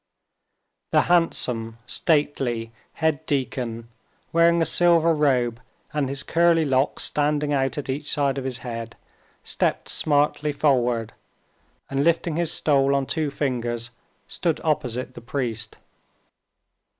The handsome, stately head deacon wearing a silver robe and his curly locks standing out at each side of his head, stepped smartly forward, and lifting his stole on two fingers, stood opposite the priest.